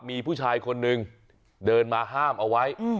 มีผู้ชายคนนึงเดินมาห้ามเอาไว้